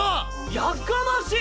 やかましい！